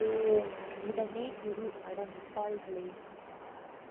உடனே குரு அட முட்டாள்களே!